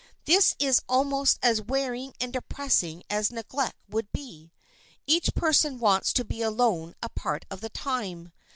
This is almost as wearing and depressing as neglect would be. Each person wants to be alone a part of the time.